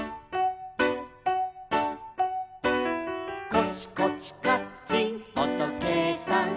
「コチコチカッチンおとけいさん」